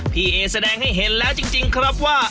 พี่เอแสดงให้เห็นแล้วจริงครับว่า